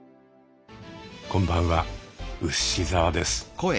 こんばんはウシ澤です。